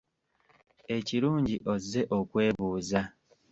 Ekirungi ozze okwebuuza.